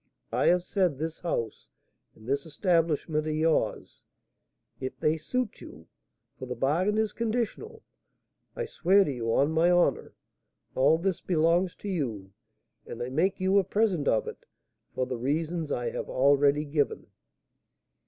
I have said this house and this establishment are yours, if they suit you, for the bargain is conditional. I swear to you, on my honour, all this belongs to you; and I make you a present of it, for the reasons I have already given."